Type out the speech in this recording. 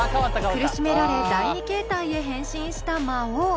苦しめられ第２形態へ変身した魔王。